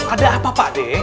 ada apa pak ade